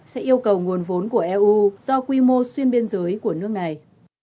sẽ yêu cầu nguồn vốn của eu do quy mô xuyên biên giới của nước này